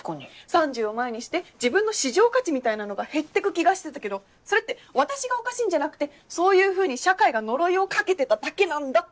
３０を前にして自分の市場価値みたいなのが減ってく気がしてたけどそれって私がおかしいんじゃなくてそういうふうに社会が呪いをかけてただけなんだって。